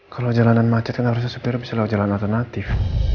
kalau jalanan macet kan harusnya supir bisa lewat jalan alternatif